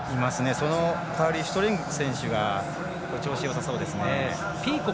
その代わり、シュトレング選手も調子、よさそうです。